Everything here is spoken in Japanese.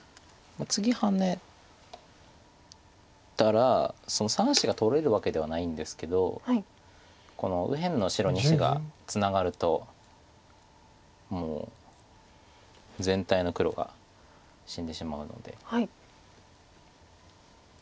次ハネたらその３子が取れるわけではないんですけどこの右辺の白２子がツナがるともう全体の黒が死んでしまうので。